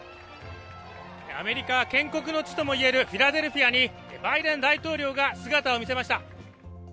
アメリカ建国の地とも言えるフィラデルフィアにバイデン大統領が姿を見せました。